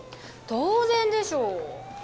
当然でしょう。